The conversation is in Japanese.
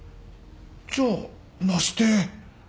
じゃあなして？